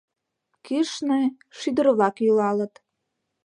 Кӱшнӧ шӱдыр-влак йӱлалыт